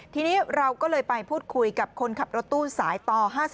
ทีนี้เราก็เลยไปพูดคุยกับคนขับรถตู้สายต่อ๕๔